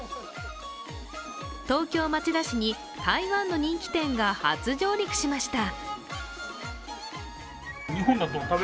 東京・町田市に台湾の人気店が初上陸しました。